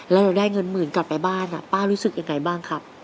แล้วเราได้เงินหมื่นกลับไปบ้านป้ารู้สึกยังไงบ้างครับ